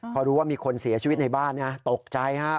พอรู้ว่ามีคนเสียชีวิตในบ้านตกใจครับ